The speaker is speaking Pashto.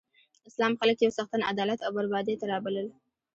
اسلام خلک یو څښتن، عدالت او برابرۍ ته رابلل.